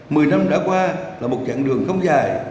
mười năm đã qua là một chặng đường không dài